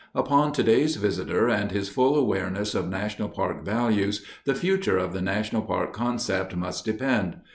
Upon today's visitor and his full awareness of national park values the future of the national park concept must depend.